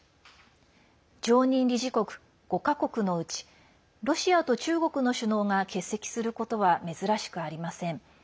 常任理事国５か国のうちロシアと中国の首脳が欠席することは珍しくありません。